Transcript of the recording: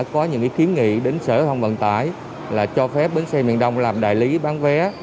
có những kiến nghị đến sở thông vận tải là cho phép bến xe miền đông làm đại lý bán vé